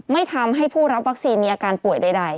ไม่ทำให้ผู้รับวัคซีนมีอาการป่วยใด